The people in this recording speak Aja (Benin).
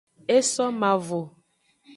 E so mavo.